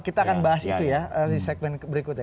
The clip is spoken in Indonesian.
kita akan bahas itu ya di segmen berikutnya